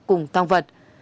cùng thang vật